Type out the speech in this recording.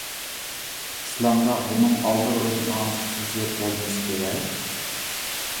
ئىسلامدا بۇنىڭ ئالدىغا ئۆتىدىغان خۇسۇسىيەت بولمىسا كېرەك.